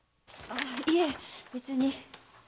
いえ別に。